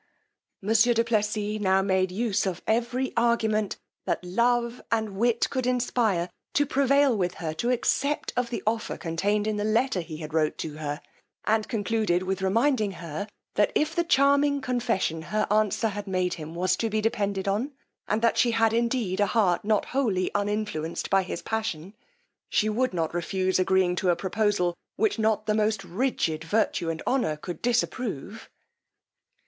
Monsieur du Plessis now made use of every argument that love and wit could inspire, to prevail with her to accept of the offer contained in the letter he had wrote to her; and concluded with reminding her, that if the charming confession her answer had made him was to be depended on, and that she had indeed a heart not wholly uninfluenced by his passion, she would not refuse agreeing to a proposal, which not the most rigid virtue and honour could disapprove.